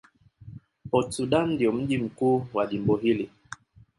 Port Sudan ndio mji mkuu wa jimbo hili.